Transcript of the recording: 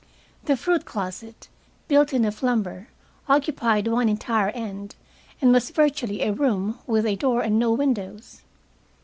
The fruit closet, built in of lumber, occupied one entire end, and was virtually a room, with a door and no windows.